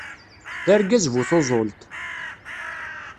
D argaz bu tuẓult.